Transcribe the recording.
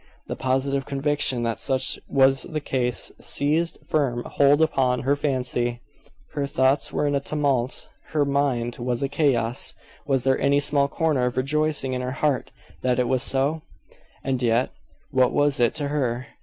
The positive conviction that such was the case seized firm hold upon her fancy; her thoughts were in a tumult, her mind was a chaos. Was there any small corner of rejoicing in her heart that it was so? And yet, what was it to her?